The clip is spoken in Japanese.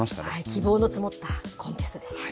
希望の積もったコンテストでした。